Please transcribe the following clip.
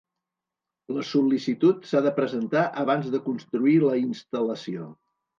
La sol·licitud s'ha de presentar abans de construir la instal·lació.